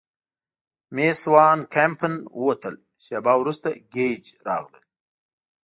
مېس وان کمپن ووتل، شیبه وروسته ګېج راغلل.